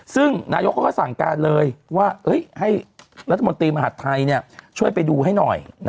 ซึ่งนายกเขาก็สั่งการเลยว่าให้รัฐมนตรีมหาดไทยช่วยไปดูให้หน่อย